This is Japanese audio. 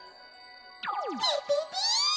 ピピピー！